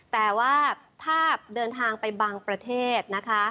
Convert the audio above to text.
แต่ว่าถ้าเดินทางไปบางประเทศนะคะ